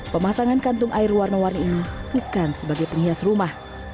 pemasangan kantung air warna warni ini bukan sebagai penghias rumah